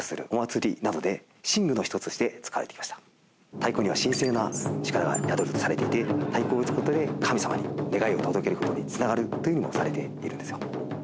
太鼓には神聖な力が宿るとされていて太鼓を打つことで神様に願いを届けることにつながるとされているんですよ